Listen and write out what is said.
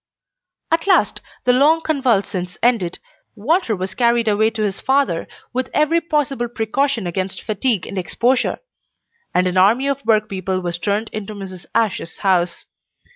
At last, the long convalescence ended, Walter was carried away to his father, with every possible precaution against fatigue and exposure, and an army of workpeople was turned into Mrs. Ashe's house.